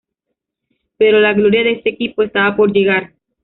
Pero la gloria de este equipo estaba por llegar.